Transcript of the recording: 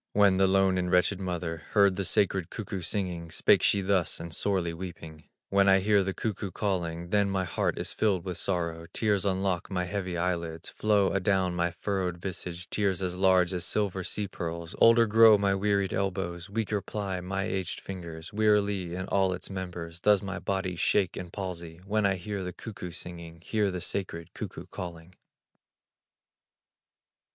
When the lone and wretched mother Heard the sacred cuckoo singing, Spake she thus, and sorely weeping: "When I hear the cuckoo calling, Then my heart is filled with sorrow; Tears unlock my heavy eyelids, Flow adown my furrowed visage, Tears as large as silver sea pearls; Older grow my wearied elbows, Weaker ply my aged fingers, Wearily, in all its members, Does my body shake in palsy, When I hear the cuckoo singing, Hear the sacred cuckoo calling."